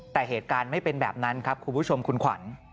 แต่เหตุการณ์ไม่เป็นแบบนั้นครับคุณผู้ชมคุณขวัญ